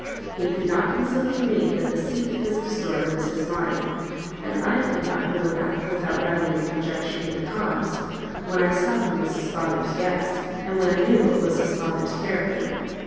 He could not conceal from me that the seat of his disorder was his mind; and I could not know that, without readily conjecturing the cause, when I saw who was his father's guest, and when I knew what was his father's character.